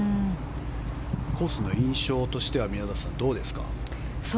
コースの印象としては宮里さん、どうですか？